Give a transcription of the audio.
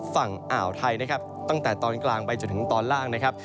ฝั่งอ่าวไทยนะครับตั้งแต่ตอนกลางไปจนถึงตอนล่างนะครับ